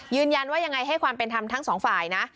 ยืนยันว่ายังไงให้ความเป็นธรรมทั้งสองฝ่ายนะ